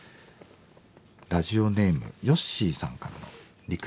ラジオネームヨッシーさんからのリクエストですね。